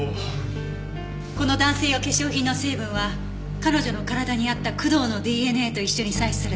この男性用化粧品の成分は彼女の体にあった工藤のＤＮＡと一緒に採取されたものです。